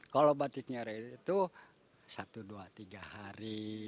kalau batik nyere itu satu dua tiga hari